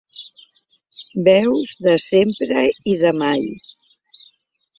Veus de sempre i de mai.